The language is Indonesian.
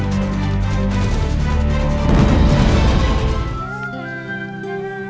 kamu apaan sih